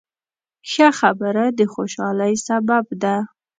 ښه خبره د خوشحالۍ سبب ده.